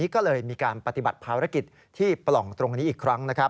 ก็เลยมีการปฏิบัติภารกิจที่ปล่องตรงนี้อีกครั้ง